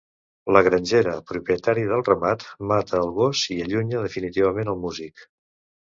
La grangera propietària del ramat mata el gos i allunya definitivament el músic.